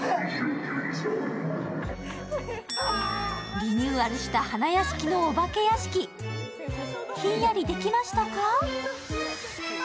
リニューアルした花やしきのお化け屋敷、ひんやりできましたか？